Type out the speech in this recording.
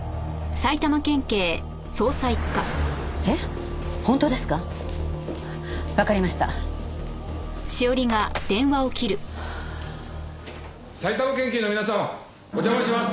埼玉県警の皆様お邪魔します！